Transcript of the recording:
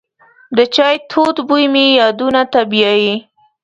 د چای تود بوی مې یادونو ته بیایي.